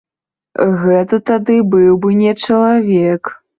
Гэта тады быў бы не чалавек.